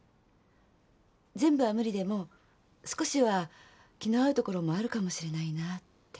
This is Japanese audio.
全部は無理でも少しは気の合うところもあるかもしれないなって。